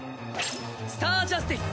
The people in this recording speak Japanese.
スタージャスティス！